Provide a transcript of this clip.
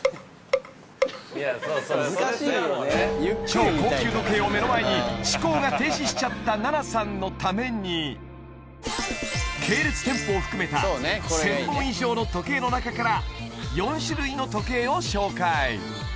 超高級時計を目の前に思考が停止しちゃった菜那さんのために系列店舗を含めた１０００本以上の時計の中から４種類の時計を紹介